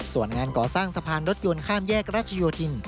ส่วนงานก่อสร้างสะพานรถยนต์ข้ามแยกรัชโยธิน